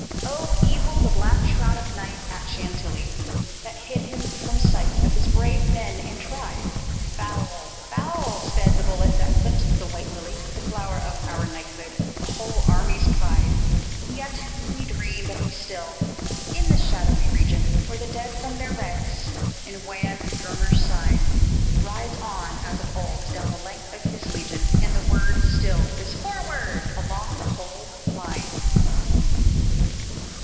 Oh, evil the black shroud of night at Chantilly, That hid him from sight of his brave men and tried! Foul, foul sped the bullet that clipped the white lily, The flower of our knighthood, the whole army's pride! Yet we dream that he still, in that shadowy region Where the dead form their ranks at the wan drummer's sign, Rides on, as of old, down the length of his legion, And the word still is "Forward!" along the whole line.